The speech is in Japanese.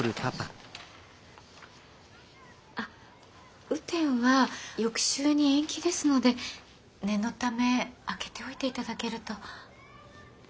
あ雨天は翌週に延期ですので念のため空けておいていただけると。